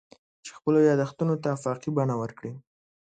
چې خپلو یادښتونو ته افاقي بڼه ورکړي.